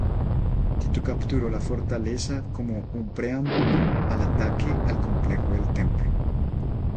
Tito capturó la fortaleza como un preámbulo al ataque al complejo del Templo.